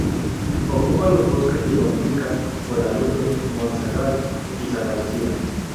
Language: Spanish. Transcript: Ocupa los bosques de Dominica, Guadalupe, Montserrat y Santa Lucía.